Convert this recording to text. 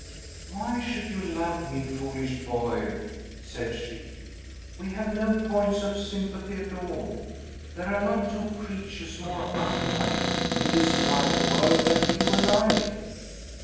"Why should you love me, foolish boy?" said she. "We have no points of sympathy at all. There are not two creatures more unlike, in this wide world, than you and I!"